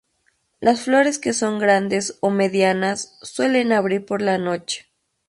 Las flores que son grandes o medianas suelen abrir por la noche.